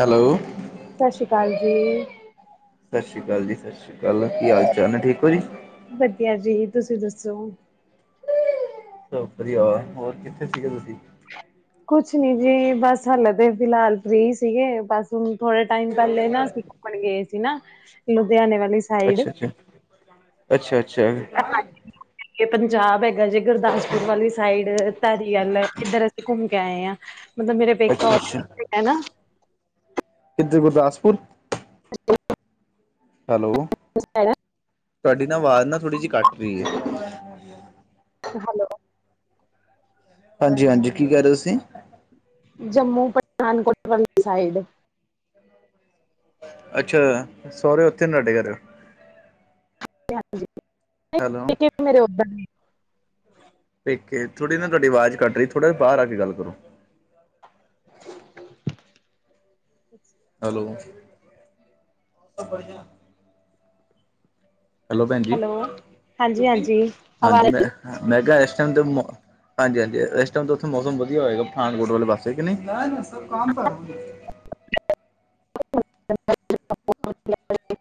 Hello ਸਤਿ ਸ਼੍ਰੀ ਅਕਾਲ ਜੀ। ਸਤਿ ਸ਼੍ਰੀ ਅਕਾਲ ਜੀ ਸਤਿ ਸ਼੍ਰੀ ਅਕਾਲ ਕੀ ਹਾਲ ਚਾਲ ਹੈ ਠੀਕ ਹੋ ਜੀ ਵਧੀਆ ਜੀ ਤੁਸੀਂ ਦੱਸੋ ਸ ਵਧੀਆ ਹੋਰ ਕਿੱਥੇ ਸੀਗੇ ਤੁਸੀਂ ਕੁਛ ਨੀ ਜੀ ਬਸ ਹਾਲ ਤਾਂ ਫਿਲਹਾਲ ਫਰੀ ਸੀਗੇ ਬਸ ਹੁਣ ਥੋੜੇ ਟਾਈਮ ਪਹਿਲੇ ਨਾ ਸੀ ੱਕਣ ਗਏ ਸੀ ਨਾ ਲੁਧਿਆਣੇ ਵਾਲੀ ਸਾਈਡ ਅੱਛਾ ਅੱਛਾ ਅੱਛਾ ਅੱਛਾ ਪੰਜਾਬ ਹੈਗਾ ਜੇ ਗੁਰਦਾਸਪੁਰ ਵਾਲੀ ਸਾਈਡ ਧਾਰੀਗਲ ਇੱਧਰ ਘੁੰਮ ਕੇ ਆਏ ਆ ਮਤਲਬ ਮੇਰੇ ਪੇ ਅੱਛਾ ਅੱਛਾ ਹੈ ਇੱਧ ਗੁਰਦਾਸਪੁਰ ਅੱਛਾ ਹੈਲੋ ਤੁਹਾਡੀ ਨਾ ਆਵਾਜ਼ ਨਾ ਥੋੜ੍ਹੀ ਜਿਹੀ ਕੱਟ ਰਹੀ ਹੈ ਭੱਲੋ ਹਾਂਜੀ ਹਾਂਜੀ ਕੀ ਕਰਹਿ ਰਹੇ ਤੁਸੀਂ ਜੰਮੂ ਪਠਾਨਕੋਟ ਵਾਲੀ ਸਾਈਡ ਹ ਅੱਛਾ ਸਹੁਰੇ ਉੱਥੇ ਤੁਡੇ ਘਰ ਹੈਲੋ ਹਾਂਜੀ ਮੇਰੇ ਉੱਧਰ ਨੇ ਪੇਕੇ ਥੋੜੀ ਨਾ ਤੁਹਾਡੀ ਆਵਾਜ਼ ਕੱਟ ਰ ਥੋੜਾ ਬਾਹਰ ਕੇ ਗੱਲ ਕਰੋ ਅਛਾ ਹੈਲੋ ਹੈਲੋ ਭੈਣ ਜ ਹਾਂਜੀ ਹਾਂਜੀ ਆਵਾਜ਼ ਹਾਂਜੀ ਮੈਂ ਮੈਂ ਕਿਹਾ ਇਸ ਟਾਈਮ ਦੇ ਹਾਂਜੀ ਹਾਂਜੀ ਇਸ ਟਾਈਮ ਤੇ ਉਥੇ ਮੌਸਮ ਵਧੀਆ ਹੋਏਗਾ ਪਠਾਨਕੋਟ ਵਾਲੇ ਪਾਸੇ ਕਿ ਨਹੀਂ [unintelligible]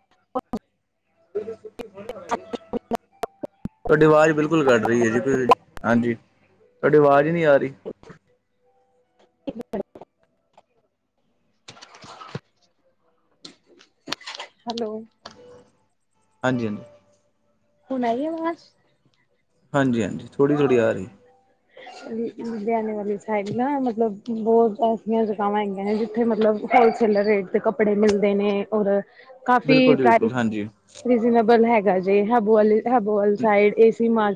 ਤੁਹਾਡੀ ਆਵਾਜ਼ ਬਿਲਕੁਲ ਕਰ ਹਾਂਜੀ ਤੁਹਾਡੀ ਆਵਾਜ਼ ਹੀ ਨਹੀਂ ਆ ਰਹੀ [inaudible] ਹੈਲੋ ਹਾਂਜੀ ਹਾਂਜੀ ਹੁਣਈ ਆ ਮਸ ਹਾਂਜੀ ਹਾਂਜੀ ਥੋੜ੍ਹੀ ਥੋ੍ਹੀ ਆ ਰਹੀ ਲੁਧਿਆਣੇ ਵਾਲੀ ਸਾਈਡ ਨਾ ਮਤਲਬ ਬਹੁਤ ਐਸੀਆਂ ਜਗ੍ਹਾਵਾਂ ਹੈਗੀਆਂ ਨੇ ਜਿੱਥੇ ਮਤਲਬ ਹੋਲਸੇਲ ਰੇਟ ਤੇ ਕੱਪੜੇ ਮਿਲਦੇ ਨੇ ਔਰ ਕਾਫੀ ਬਿਲਕੁਲ ਜੀ ਬਿਲਕੁਲ ਹਾਂਜੀ ਪ੍ਰ ਬਲ ਹੈਗਾ ਜੇ ਹਬੂਬੋ ਸਾਈਡ ਏ ਮਾਰ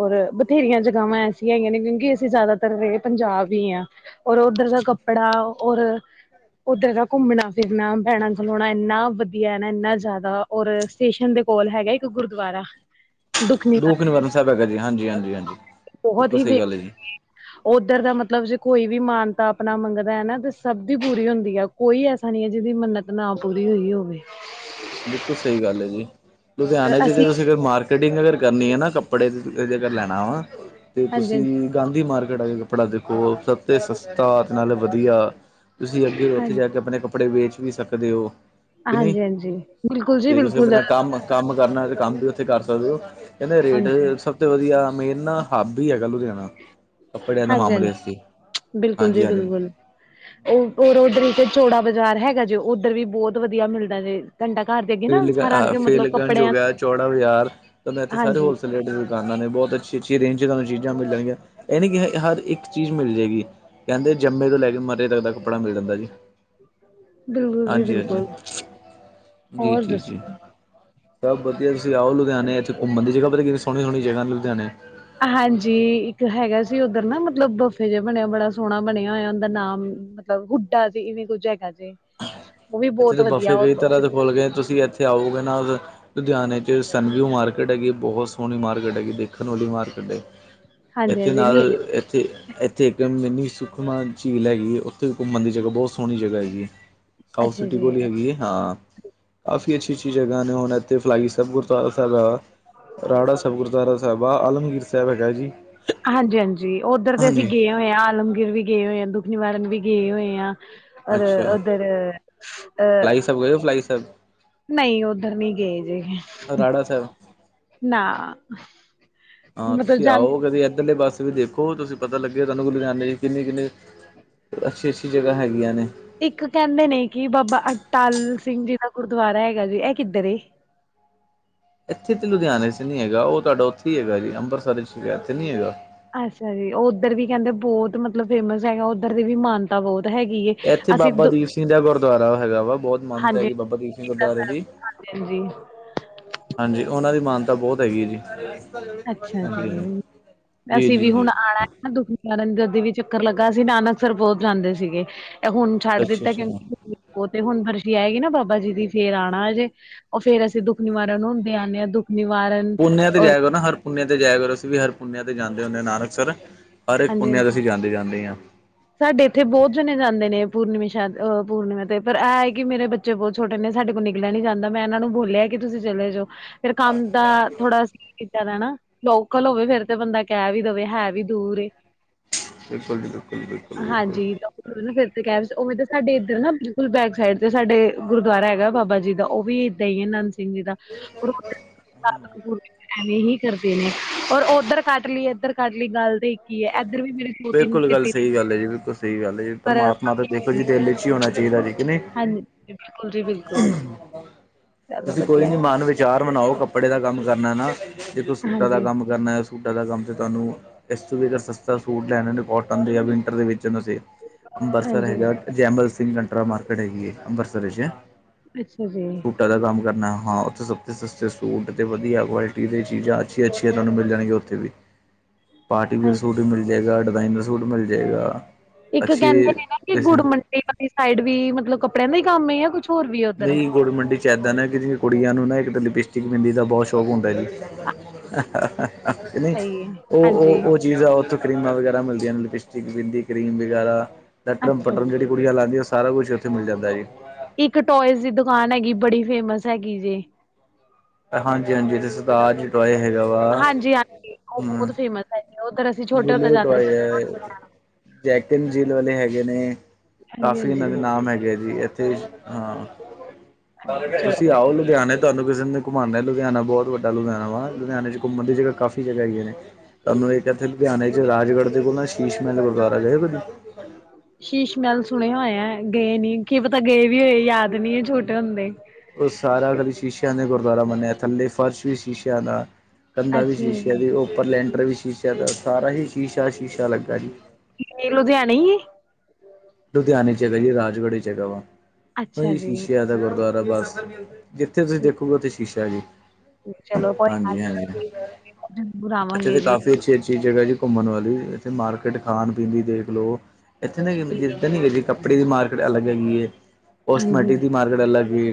ਔਰ ਬਥੇਰੀਆਂ ਜਗਗਾਾਵਾਂ ਐ ਹੈਗੀਆਂ ਨੇ ਕਿਉਂਕਿ ਅਸੀਂ ਜ਼ਿਆਦਾਤਰ ਰਹੇ ਪੰਜਾਬ ਹੀ ਹ ਔਰ ਉੱਧਰ ਦਾ ਪੜਾ ਔਰ ਉੱਧਰ ਦਾ ਘੁੰਮਣਾ ਫਿਰਨਾ ਬੈਣਾ ਖਲਾਉਣਾ ਇੰਨਾ ਵਧੀਆ ਨਾ ਇੰਨਾ ਜ਼ਿਆਦਾ ਔਰ ਸਟੇਸ਼ਨ ਦੇ ਕੋਲ ਹੈਗਾ। ਇੱਕ ਗੁਰਦੁਆਰਾ। ਦੁੱਖ ਦ ਨਿਵਾਰਨ ਨਿਵਰਨ ਸਾਹਿਬ ਹੈਗਾ ਜੀ। ਹਾਂਜੀ-ਹਾਂਜੀ-ਹਾਂਜੀ ਬਹੁਤ ਹੀ ਬੇਮ ਉੱਧਰ ਦਾ ਮਤਲਬ ਜੇ ਕੋਈ ਵੀ ਮਾਨਤਾ ਆਪਣਾ ਮੰਗਦਾ ਹੈ। ਨਾ ਤੇ ਸਭ ਦੀ ਪੂਰੀ ਹੁੰਦੀ ਹੈ। ਕੋਈ ਐਸਾ ਨਹੀ ਹੈ। ਜਿਹਦੀ ਮੰਨਤ ਨਾ ਪੂਰੀ ਹੋਈ ਹੋਵੇ। ਬਿਲਕੁਲ ਸਹੀ ਗੱਲ ਹੈ। ਜੀ ਲੁਧਿਆਣੇ ਚ ਅਸੀਂ ਤੁਸੀਂ ਮਾਰਕੀਟਿੰਗ ਅਗਰ ਕਰਨੀ ਹੈ। ਨਾ ਕੱਪੜੇ ਕੱਪੜੇ ਜਗਰ ਲੈਣਾ ਵਾ ਤੇ ਹਾਂਜੀ ਤੁਸੀਂ ਗਾਂਧੀ ਮਾਰਕੀਟ ਅ ਕੱਪੜਾ ਦੇਖੋ ਸਭ ਸਸਤਾ ਤੇ ਨਾਲ ਵਧੀਆ ਤੁਸੀਂ ਅੱਗੇ। ਉੱਥੇ ਹਾਂਜੀ ਜਾ ਕੇ ਆਪਣੇ ਕੱ ਕੱਪੜੇ ਵੇਚ ਵੀ ਸਕਦੇ ਹੋ। ਕਿ ਨਹੀਂ ਹਾਂਜੀ-ਹਾਂਜੀ। ਤੇ ਤੁਸੀਂ ਆਪਣਾ ਕੰਮ ਕੰਮ ਕਰਨਾ ਤੇ, ਕੰਮ ਵੀ ਉੱਥੇ ਕਰ ਸਕਦੇ ਹੋ। ਕਹਿੰਦੇ ਰੇਟ ਹਾਂਜੀ ਸ ਬਹੁ ਵਧੀਆ ਮੇਨ ਨਾ ਹਾਬੀ ਹੈਗਾ ਲੁਧਿਆਣਾ। ਕੱਪੜਿਆਂ ਦਾ ਹਾਂਜੀ ਮਾਮਲੇ ਅ ਹਾਂਜੀ ਸੀ ਹਾਂਜੀ-ਹਾਂਜੀ। ਉਹਰ ਉਧਰ ਇੱਕ ਚੌੜਾ ਬਾਜ਼ਾਰ ਹੈਗਾ ਜੇ ਉੱਧਰ ਵੀ ਬਹੁਤ ਵਧੀਆ ਮਿਲਦਾ ਜੇ। ਕੰੰਡਾ ਘਰ ਦੇ ਅੱਗੇ ਨਾ ਸਾਰਾ ਫ ਅੱਗੇ ਮਤਲਬ ਫੇਲਗੰਜ ਹੋ ਕੱਪੜਿਆਂ ਗਿਆ ਚੌੜਾ ਬਾਜ਼ਾਰ ਤਾਂ ਮੈਂ ਇੱਥੇ ਸਾਰੇ ਹਾਂਜੀ ਹੋਲਸੇਲ ਰੇਟ। ਦਾਨਾਂ ਨੇ ਬਹੁਤ ਅੱਛੀ-ਅੱਛੀ ਰੇਂਜ ਚ ਤੁਹਾਨੂੰ ਚੀਜ਼ਾਂ ਮਿਲਣਗੀਆਂ ਇਹੇ ਕਿ ਹਰ ਇੱਕ ਚੀਜ਼ ਮਿਲ ਜਾਏਗੀ ਕਹਿੰਦੇ ਜੰਮੇ ਤੋਂ ਲੈ ਕੇ ਮਰੇ ਤੱਕ ਦਾ ਕੱਪੜਾ ਮਿਲ ਜਾਂਦਾ ਜੀ। ਬਿਲਕੁਲ ਜੀ ਬਿਲਕੁਲ। ਹੋਰ ਜੀ-ਜੀ-ਜੀ ਦੱਸੋ ਸਭ ਵਧੀਆ। ਤੁਸੀਂ ਆਓ ਲੁਧਿਆਣੇ ਇੱਥੇ ਘੁੰਮਣ ਦੀ ਜਗ੍ਹਾ ਪਤਾ ਕਿ ਸੋਹਣੀ ਸੋਹਣੀ ਜਗਾ ਲੁਧਿਆਣੇ ਹਾਂਜੀ ਇੱਕ ਹੈਗਾ ਸੀ। ਉੱਧਰ ਨਾ ਮਤਲਬ ਬਫੇ ਜਿ ਬਣਿਆ ਬੜਾ ਸੋਹਣਾ ਬਣਿਆ ਹੋਇਆ ਉਹਦਾ ਨਾਮ ਮਤਲਬ ਹੁੱਡਾ ਜੇ ਇਵੇਂ ਕੁੱਝ ਹੈਗਾ ਜੇ। ਉਹ ਵੀ ਇੱਥੇ ਬਹੁਤ ਦੇ ਵਧੀਆ ਬੱਫ਼ੇ ਕਈ ਤਰ੍ਹਾਂ ਦੇ ਖੁੱਲ੍ਹ ਗਏ ਤੁਸੀਂ ਇੱਥੇ ਆਓਗੇ ਨਾ ਲੁਧਿਆਣੇ ਚ ਸਨਵਿਊ ਮਾਰਕੀਟ ਹੈਗੀ। ਬਹੁਤ ਸੋਹਣੀ ਮਾਰਕੀਟ ਹੈਗੀ ਦੇਖਣ ਵਾਲੀ ਮਾਰਕੀਟ ਹੈ। ਹਾਂਜੀ ਇੱਥੇ ਹਾਂਜੀ ਨਾਲ ਨੀ ਇੱਥੇ। ਇੱਥੇ ਇੱਕ ਇੰਨੀ ਸੁਖਮਾ ਝੀਲ ਹੈਗੀ ਹੈ। ਉੱਥੇ ਘੁੰਮਣ ਦੀ ਜਗ੍ਹਾ ਬਹੁਤ ਸੋਹਣੀ ਜਗ੍ਹਾ ਹੈਗੀ ਹੈ। ਕਾਊ ਅੱਛਾ ਸਿਟੀ ਜੀ ਕੋਲਲੀ ਹੈਗੀ ਹੈ। ਹਾਂ ਕਾਫੀ ਅੱਛੀ-ਅੱਛੀ ਜਗ੍ਹਾ ਨੇ ਉਹਨਾਂ ਇਥ ਫਲਾਈ ਸਭ ਗੁਰ ਸਾਹਿਬ ਰਾੜਾ ਸਬ ਗੁਰਦੁਆਰਾ ਸਾਹਿਬ ਆ। ਆਲਮਗੀਰ ਸਾਹਿਬ ਹੈਗਾ ਜੀ। ਹਾਂਜੀ-ਹਾਂਜੀ ਉੱਧਰ ਤੇ ਅਸੀਂ ਹਾਂਜੀ ਗਏ ਹਾਂ। ਹੋਏ ਆ ਆਲਮਗਰ ਵੀ ਗਏ ਹੋਏ ਆ, ਦੁਖ ਨਿਵਾਰਨ ਵੀ ਗਏ ਹੋਏ ਆ। ਅ ਅੱਛਾ ਉਹਦੇਰੇ ਅ ਫਲਾਈ ਸਾਹਿਬ ਗਏ ਹੋ ਫਲਾਈ ਸਾਹਿਬ ਨਹੀਂ ਉੱਧਰ ਨਹੀਂ ਗਏ ਜੇ। ਰਾੜਾ ਸਾਹਿਬ ਨਾ। ਹਾਂ, ਮਤਲਬ ਤੁਸੀਂ ਜਾਂ ਆਓ ਕਦੇ ਇੱਧਰਲੇ ਪਾਸੇ। ਵੀ ਦੇਖੋ ਤੁਸੀਂ ਪਤਾ ਲੱਗੇਿਆ। ਤੁਹਾਨੂੰ ਕੋਲ ਜਾਂਦੇ ਕਿੰਨਨੀ ਕਿੰਨਨੀ ਅੱਛੀ-ਅੱਛੀ ਜਗ੍ਹਾ ਹੈਗੀਆਂ ਨੇ। ਇੱਕ ਕਹਿੰਦੇ ਨੇ ਕਿ ਬਾਬਾ ਅਟਾਲ ਸਿੰਘ ਜੀ ਦਾ ਗੁਰਦੁਆਰਾ ਹੈਗਾ ਜੀ ਇਹ ਕਿੱਧਰ ਏ? ਇੱਥੇ ਤਾਂ ਲੁਧਿਆਣੇ 'ਚ ਨਹੀਂ ਹੈਗਾ। ਉਹ ਤੁਹਾਡਾ ਉੱਥੇ ਹੀ ਹੈਗਾ ਜੀ ਅੰਮ੍ਰਿਤਸਰ ' ਸ਼ਿਕਾਇ ਇਥੇ ਨਹੀਂ ਹੈਗਾ। ਅੱਛਾ ਜੀ ਉਹ ਉੱਧਰ ਵੀ ਕਹਿੰਦੇ ਬਹੁਤ ਮਤਲਬ ਫੇਮਸ ਹੈਗਾ ਉੱਧਰ ਦੇ ਵੀ ਮਾਨ ਤਾਂ ਬਹੁਤ ਹੈਗੀ ਏ। ਇੱਥੇ ਅਸੀਂ ਬਾਬਾ ਦ ਦੀਪ ਸਿੰਘ ਦਾ ਗੁਰਦੁਆਰਾ ਹੈਗਾ। ਵਾ ਬਹੁਤ ਮਾਨਤ ਹੈਗੀ ਬਾਬਾ ਦੀਪ ਸਿੰਘ ਗੁਰਦੁਆਰੇ ਦੀ। ਹਾਂਜੀ-ਹਾਂਜੀ। ਹਾਂਜੀ ਉਹਨਾਂ ਦੀ ਮਾਨਤਾ ਬਹੁਤ ਹੈਗੀ ਆ ਜੀ। ਅੱਛਾ ਜੀ ਹਾਂਜੀ ਹਾਂਜੀ ਜੀ ਅਸੀਂ ਜੀ ਵੀ ਜੀ ਹੁਣ ਆਉਣਾ। ਦੁਖੀਦਨ ਜਦੀ ਵੀ ਚੱਕਰ ਲੱਗਾ ਸੀ ਨਾਨਕਸਰ ਪਹੁੁੰਤ ਜਾਂਦੇ ਸੀਗੇ। ਹੁਣ ਛੱਡ ਅੱਛਾ ਦਿੱਤਾ ਅੱਛਾ ਕਿਉਂਕਿ ਉਹ ਤੇ ਹੁਣ ਫਰਸ਼ੀ ਆਏਗੀ ਨਾ ਬਾਬਾ ਜੀ ਦੀ ਫੇਰ ਆਉਣਾ। ਅਜੇ ਉਹ ਫੇਰ ਅਸੀਂ ਦੁੱਖ ਨਿਵਾਰਨ ਨੂੰ ਹੁੰਦੇ ਆਉਂਦੇ ਹਾਂ ਦੁੱਖ ਨਿਵਾਰਨ। ਪੁੰਨਿਆ ਤੇ ਔਰ ਜਾ ਕਰ ਨਾ ਹਰ ਪੁੁੰਨਿਆ ਤੇ ਜਾਇ ਕਰ ਅਸੀਂ ਵੀ ਹਰ ਪੁੁੰਨਿਆ ਤੇ ਜਾਂਦੇੁੰਦੇਾਂ ਨਾਨਕਸਰ। ਹਰ ਇੱਕ ਹਾਂਜੀ ਪੁੁੰਨਿਆ ਹਾਂਜੀ ਅਸੀਂ ਜਾਂਦੇ-ਜਾਂਦੇ ਹਾਂ। ਸਾਡੇ ਇੱਥੇ ਬਹੁਤ ਜਣੇ ਜਾਂਦੇ ਨੇ ਪੂਰਨਿਮਾ ਸ਼ਾਇਦ ਅਹ ਪੂਰਨਿਮਾ ਤੇ ਪਰ ਇਹ ਹੈ ਕਿ ਮੇਰੇ ਬੱਚੇ ਬੱਚੇ ਬਹੁਤ ਛੋਟੇ ਨੇ ਸਾਡੇ ਕੋਲੋਂ ਨਿਕਲਿਆ ਨੀ ਜਾਂਦਾ ਮੈਂ ਇਹਨਾਂ ਨੂੰ ਬੋਲਿਆ ਕਿ ਤੁਸੀਂ ਚਲੇ ਜਾਓ ਫੇਰ ਕੰਮ ਦਾ ਥੋੜਾ ਜ਼ਿਆਦਾ ਹਨਾ ਲੋਕਲ ਹੋਵੇ ਫੇਰ ਤੇ ਬੰਦਾ ਕਹਿ ਵੀ ਦੇਵੇ ਹੈ ਵੀ ਦੂਰ ਬਿਲਕੁਲ ਬਿਲਕੁਲ। ਬਿਲਕੁਲ ਬਿਲਕੁਲ ਹਾਂਜੀ। ਫਿਰ ਤੇ ਕਹਿ ਸੀ ਉਵੇ ਤਾਂ ਸਾਡੇ ਇੱਧਰ ਨਾ ਬਿਲਕੁਲ ਬੈਕ ਸਾਈਡ ਤੇ ਸਾਡੇ ਗੁਰਦੁਆਰਾ ਹੈਗਾ ਬਾਬਾ ਜੀ ਦਾ ਉਹ ਵੀ ਦਈ ਆ ਨੰਦ ਸਿੰਘ ਜੀ ਦਾ ਰ ਐਵੇਂ ਹੀ ਕਰਦੇ ਨੇ ਔਰ ਉੱਧਰ ਕੱਟ ਲਈ ਇੱਧਰ ਕੱਟ ਲਈ ਗੱਲ ਤੇ ਹੀ ਹੈ ਇੱਧਰ ਵੀ ਮੇਰੇ ਦੋ ਤਿੰਨ ਬਿਲਕੁਲ ਗੱਲ ਕੱਟੇ ਸਹੀ ਗੱਲ ਹੈ ਜੀ ਬਿਲਕੁਲ ਸਹੀ ਗੱਲ ਹੈ ਜ ਪਰਮਾਤਮਾ ਤਾਂ ਦੇਖੋ ਜੀ ਪਰ ਦਿਲ ਚ ਹੀ ਹੋਣਾ ਚਾਹੀਦਾ ੀਕ ਨਹੀ ਹਾਂਜੀ ਬਿਲਕੁਲ ਜੀ ਬਿਲਕੁਲ। ਚਲੋ ਤੁਸੀਂ ਕੋਈ ਵਧੀਆ। ਨੀ ਮਨ ਵਿਚਾਰ ਬਣਾਓ ਕੱਪੜੇ ਦਾ ਕੰਮ ਕਰਨਾ ਨਾ ਜ ਕੋਈ ਸੂਟਾਂ ਦਾ ਹਾਂਜੀ, ਕੰਮ ਕਰਨਾ ਸੂਟਾਂ ਦਾ ਕੰਮ ਤੇ ਤੁਹਾਨੂੰ ਇਸ ਤੋਂ ਵੀ ਅਰ ਸਸਤਾ ਸੂਟ ਲੈਣ ਦੇ ਵਿੰਟਰ ਦੇ ਵਿੱਚ ਤੁਸੀਂ ਅੰਮ੍ਰਿਤਸਰ ਹਾਂਜੀ, ਹੈਗਾ। ਜੈਮਲ ਸਿੰਘ ਕਟਰਾ ਮਾਰਕੀਟ ਹੈਗੀ ਅੰਬਰਸਰ ਜੇ ਅੱਛਾ ਜੀ। ਸੂਟਾਂ ਦਾ ਕੰਮ ਕਰਨਾ ਹਾਂ ਉੱਥੇ ਸਸਤੇ ਸਸਤੇ ਸੂਟ ਅਤੇ ਵਧੀਆ ਕੁਆਲਿਟੀ ਦੇ ਚੀਜ਼ਾਂ ਅੱਛੀਆਂ ਅੱਛੀਆਂ ਤੁਹਾਨੂੰ ਮਿਲ ਜਾਣਗੀਆਂ ਉੱਥੇ ਵੀ। ਪਾਰਟੀ ਵੀ ਅਰ ਹਾਂਜੀ। ਸੂਟ ਵੀ ਮਿਲ ਜਾਏਗਾ ਡਿਜ਼ਾਇਨ ਦਾ ਸੂਟ ਮਿਲ ਜਾਏਗਾ ਇੱਕ ਕਹਿੰਦੇ ਅੱਛੇ ਨੇ ਨਾ ਕਿ ਗੁੜ ਪੈਸੇ ਮੰੰਡੀ ਵਾਲੀ ਸਾਈਡ ਵੀ ਮਤਲਬ ਕੱਪੜਿਆਂ ਦਾ ਹੀ ਕੰਮ ਆ ਕੁੱਛ ਨਹੀਂ ਗੁੜ ਮੰਡੀ ਚ ਏਦਾਂ ਨਾ ਕਿ ਕੁੜੀਆਂ ਨੂੰ ਨਾ ਇੱਕ ਲਿਪਿਸਟਿਕ ਬਿੰਦੀ ਦਾ ਬਹੁਤ ਹੁੰਦਾ ਜੀ ਨਹੀਂ ਸਹੀ ਏ, ਉਹ ਹਾਂਜੀ। ਉਹ ਚੀਜ਼ ਆ ਉੱਥੋਂ ਕਰੀਮਾਂ ਵਗੈਰਾ ਮਿਲਦੀਆਂ ਨੇ ਲਿਪਸਟਿਕ ਬਿੰਦੀ ਕਰੀਮ ਵਗੈਰਾ ਲਟਰਮ ਅੱਛਾ ਪਟਰਮ ਜੀ, ਜਿਹੜੀ ਕੁੜੀਆਂ ਲਾਉਂਦੀਆਂ ਸਾਰਾ ਕੁਛ ਉੱਥੇ ਮਿਲ ਜਾਂਦਾ ਏ। ਇੱਕ ਟੋਇਜ਼ ਦੀ ਦੁਕਾਨ ਹੈਗੀ ਬੜੀ ਫੇਮਸ ਹੈਗੀ ਜੇ ਹਾਂਜੀ ਹਾਂਜੀ ਇੱਥੇ ਸਰਤਾਜ ਟੁਆਏ ਹੈਗਾ ਵਾ ਹਮ ਹਾਂਜੀ ਉ ਉਹਧਰ ਗੁੱਲ ਦੇ ਟੋਏ ਏ ਜੈਕਨ ਜੀਲ ਵਾਲੇ ਹੈਗੇ ਨੇ ਹਾਂਜੀ, ਕਾਫੀ ਇਹਨਾਂ ਦੇ ਨਾਮ ਹੈਗੇ ਜੀ ਇੱਥੇ ਹਾਂ ਹਾਂਜੀ। ਤੁਸੀਂ ਚਲੋ ਆਓ ਲੁਧਿਆਣੇ ਤੁਹਾਨੂੰ ਕਿਸੇ ਨੂੰ ਘਮਾਉਂਦਾ ਲੁਧਿਆਣਾ ਬਹੁਤ ਵੱਡਾ ਲੁਧਿਆਣਾ ਵਾਂ ਲੁ ਧਿਆਣੇ ਚ ਘੁੰਮਣ ਦੀ ਜਗ੍ਹਾ ਕਾਫੀ ਜਗ੍ਹਾ ਹੈਗੀਆ ਨੇ ਤੁਹਾਨੂੰ ਇਹ ਕਹਿਥ ਲੁਧਿਆਣੇ ਚ ਰਾਜਗੜ੍ਹ ਦੇ ਕੋਲ ਨਾ ਸ਼ੀਸ਼ ਮਹਿਲ ਗੁਰਦੁਆਰਾ ਗਏ ਓ ਕਦੀ ਸ਼ੀਸ਼ ਮਹਿਲ ਸੁਣਿਆ ਹੋਇਆ ਗਏ ਨੀ ਕੀ ਪਤਾ ਗਏ ਵੀ ਹੋਏ ਯਾਦ ਨਹੀਂ ਛੋਟੇ ਹੁੰਦੇ ਉਹ ਸਾਰਾ ਕੱਲ ਸ਼ੀਸ਼ਿਆਂ ਦੇ ਗੁਰਦੁਆਰਾ ਬਣਿਆ ਥੱਲੇ ਫਰਸ਼ ਵੀ ਸ਼ੀਸ਼ਿਆਂ ਦਾ ਕੰਧਾ ਵੀ ਸ਼ੀਸ਼ੇ ਜੀ ਉੱਪਰ ਲੈਂਟਰ ਵੀ ਸ਼ੀਸ਼ ਸਾਰਾ ਹੀ ਸ਼ੀਸ਼ਾ ਸ਼ੀਸ਼ਾ ਲੱਗਾ ਜੀ ਏ ਲੁਧਿਆਣੇ ਹੀ ਹੈ ਲੁਧਿਆਣੇ ਚ ਹੈਗਾ ਜੀ ਰਾਜ਼ਗੜ੍ਹੀ ਹੈਗਾ ਵਾ ਅੱਛਾ ਹ ਜੀ, ਸ਼ੀਸ਼ੇ ਦਾ ਗੁਰਦੁਆਰਾ ਬਸ ਜਿੱਥੇ ਤੁਸੀਂ ਦੇਖੋਗੇ ਉੱਥੇ ਸ਼ੀਸ਼ਾ ਜੀ। ਚਲੋ ਕੋਈ ਗੱਲ ਹਾਂਜੀ ਹਾਂਜੀ ਨੀ ਜਰੂਰ ਇੱਥੇ ਆਵਾਂਗੇ ਤਾਂ ਜੀ, ਕਾਫੀ ਅੱਛੀ ਅੱਛੀ ਜਗ੍ਹਾ ਜੀ ਘੁੰਮਣ ਵਾਲੀ ਇੱਥੇ ਮਾਰਕੀਟ ਖਾਣ ਪੀਣ ਦੀ ਦੇਖ ਲਓ ਇੱਥੇ ਨਾ ਨੀ ਕੱਪੜੇ ਦੀ ਮਾਰਕੀਟ ਅਲਗ ਹੈਗੀ ਹੈ ਕੋ ਹਾਂਜੀ ਸਟਮੈਟਿਕ ਦੀ ਮਾਰਕੀਟ ਅਲੱਗ ਹੈ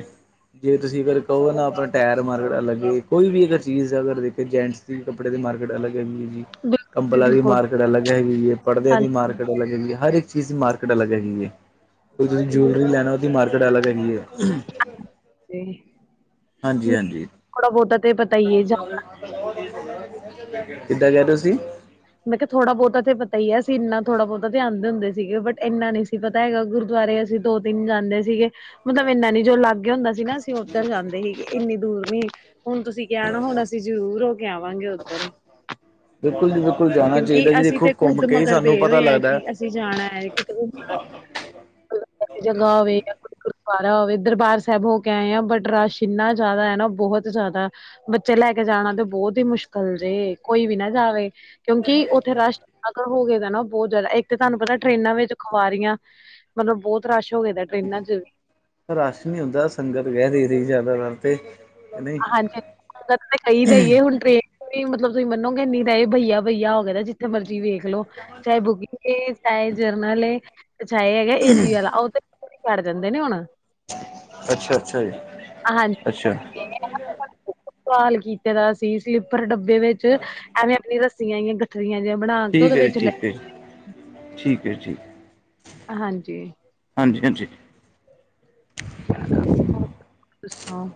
ਜੇ ਤੁਸੀਂ ਅਗਰ ਕਹੋ ਨਾ ਆਪਣਾ ਟਾਇਰ ਮਾਰਕਿਟ ਅਲਗ ਕੋਈ ਵੀ ਅਗਰ ਚੀਜ਼ ਅਗਰ ਦੇਖੇ ਜੈਂਟਸ ਦੀ ਕੱਪੜੇ ਦੀ ਮਾਰਕੀਟ ਅਲੱਗ ਹੈਗੀ ਹੈ ਜੀ। ਬਿਲਕੁਲ ਜੀ ਕੰਬਲਾਂ ਦੀ ਬਿਲਕੁਲ ਮਾਰਕੀਟ ਅਲੱਗ ਹੈਗੀ ਹੈ ਪੜਦਿਆਂ ਦੀ ਮਾਰਕੀਟ ਅਲੱਗ ਹੈਗੀ ਹੈ ਹਰ ਇੱਕ ਚੀਜ਼ ਦੀ ਮਾਰਕੀਟ ਅਲੱਗ ਹੈਗੀ ਹੈ ਕੋ ਤੁਸੀਂ ਹਾਂਜੀ ਜੈਲਰੀ ਲੈਣਾ ਉਹਦੀ ਮਾਰਕੀਟ ਅਲਗ ਹੈਗੀ ਹੈ। ਨਹੀਂ ਹਾਂਜੀ-ਹਾਂਜੀ। ਥੋੜਾ ਬਹੁਤਾ ਤੇ ਪਤਾ ਹੀ ਹੈ ਕਿੱਦਾਂ ਗਿਆ ਤੁਸੀਂ ਮਤਲਬ ਥੋੜਾ ਬਹੁਤਾ ਤੇ ਤਾਂ ਪਤਾ ਹੀ ਹੈ ਅਸੀ ਇੰਨਾ ਥੋੜ੍ਹਾ ਬਹੁਤਾ ਧਿਆਨ ਦਿੰਦੇ ਸੀਗੇ ਬੱਟ ਏਨਾ ਨਹੀਂ ਸੀ ਪਤਾ ਪਤਾ ਹੈਗਾ ਗੁਰਦੁਆਰੇ ਅਸੀਂ ਦੋ ਤਿੰਨ ਜਾਂਦੇ ਸੀਗੇ ਮਤਲਬ ਇੰਨਾ ਨੀ ਜੋ ਲਾਗੇ ਹੁੰਦਾ ਸੀ ਨਾ ਅਸੀਂ ਉੱਧਰ ਜਾਂਦੇ ਸੀਗੇ ਇੰਨੀ ਦੂਰ ਨ ਹੁਣ ਤੁਸੀਂ ਕੈਣ ਹੁਣ ਅਸੀਂ ਜ਼ਰੂਰ ਹੋ ਕੇ ਆਵਾਂਗੇ ਓ। ਬਿਲਕੁੱਲ ਜੀ ਬਿਲਕੁੱਲ ਜਾ ਕਿਉਂਕਿ ਅਸੀਂ ਤੇ ਖੁੱਦ ਮਗਰ ਬੇ ਹੋਏ ਹਾਂ ਲੱਗਦਾ ਕੇ ਅਸੀਂ ਜਾਣਾ ਐ ਕਿਤੇ ਘੁੰਮਣਾ। [unintelligible] ਜਗਾ ਵੇ ਗੁਰਦੁਆਰਾ ਹੋਵੇ ਦਰਬਾਰ ਸੈਬ ਹੋ ਕੇ ਆਏ ਆ ਬਟ ਰਸ਼ ਇੰਨਾ ਜਾਦਾ ਐ ਨਾ ਬੋਹਤ ਜਾਦਾ। ਬੱਚੇ ਲੈ ਕੇ ਜਾਣਾ ਤੇ ਬੋਤ ਈ ਮੁਸ਼ਕਿਲ ਜੇ ਕੋਈ ਵੀ ਨਾ ਜਾਵੇ ਕਿਉਂਕਿ ਉੱਥੇ ਰਸ਼ ਅਗਰ ਹੋਵੇਗਾ ਨਾ ਬੋ ਜਾਦਾ ਇੱਕ ਤੁਹਾਨੂੰ ਪਤਾ ਟਰੇਨਾਂ ਵਿੱਚ ਖੁਵਾਰੀਆਂ ਮਤਲਬ ਬੋ ਰਸ਼ ਹੋਗੇ ਦਾ ਟਰੇਨਾਂ ਚ। ਰਸ਼ ਨੀ ਹੁੰਦਾ ਸੰਗਤ [unintelligible] ਜਾਦਾਤਰ ਤੇ। ਨਹੀਂ ਹਾਂਜੀ [unintelligible] ਹੁਣ ਟਰੇਨ ਕੋਈ ਮਤਲਬ ਤੁਸੀਂ ਮੰਨੋਗੇ ਨੀਰਾ ਈ ਬਈਆ ਬਈਆ ਹੋਗੇ ਨਾ ਜਿੱ ਜਿੱਥੇ ਮਰਜ਼ੀ ਵੇਖ ਲੋ ਚਾਹੇ ਬੁਕਿੰਗ ਏ ਚਾਹੇ ਜਰਨਲ ਏ। ਪਛਾਏ ਹੈਗੈ ਏਸੀ ਆਲਾ ਓਹ ਤੇ ਕਰ ਜਾਂਦੇ ਨੇ ਹੁਣ ਅੱਛਾ-ਅੱਛਾ ਜੀ ਹਾਂਜੀ ਅੱਛਾ। [unintelligible] ਦਾ ਸੀ ਸਲੀਪਰ ਡੱਬੇ ਵਿੱਚ ਐਵੇਂ ਆਪਣੀ ਰੱਸੀਆਂ ਆਈਆਂ। ਰੱਸੀਆਂ ਜਿਹੀਆਂ ਬਣਾ ਕੇ ਓਦੇ ਠੀਕ ਹੈ ਜੀ ਵਿੱਚ ਲੈ। ਠੀਕ ਐ ਜੀ। ਹਾਂਜੀ। ਹਾਂਜੀ-ਹਾਂਜੀ। ਤੁਸੀਂ ਸੁਣਾਓ?